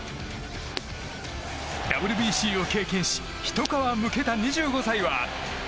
ＷＢＣを経験しひと皮剥けた２５歳は。